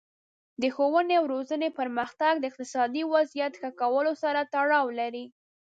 د ښوونې او روزنې پرمختګ د اقتصادي وضعیت ښه کولو سره تړاو لري.